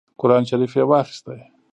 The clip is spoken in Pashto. قران شریف یې واخیست.